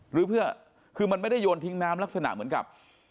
หรือเพื่อคือมันไม่ได้โยนทิ้งน้ำลักษณะเหมือนกับ